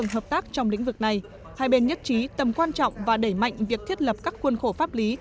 hợp tác trong lĩnh vực này hai bên nhất trí tầm quan trọng và đẩy mạnh việc thiết lập các khuôn khổ pháp lý